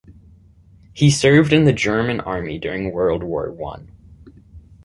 He served in the German Army during World War One.